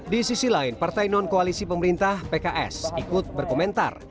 di sisi lain partai non koalisi pemerintah pks ikut berkomentar